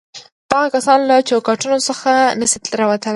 دغه کسان له چوکاټونو څخه نه شي راوتلای.